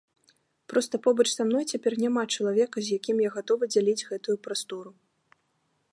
Проста побач са мной цяпер няма чалавека, з якім я гатовы дзяліць гэтую прастору.